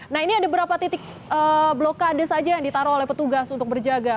nah ini ada berapa titik blokade saja yang ditaruh oleh petugas untuk berjaga